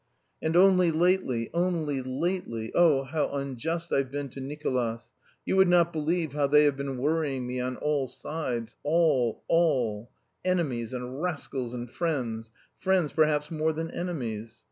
"... And only lately, only lately oh, how unjust I've been to Nicolas! ... You would not believe how they have been worrying me on all sides, all, all, enemies, and rascals, and friends, friends perhaps more than enemies.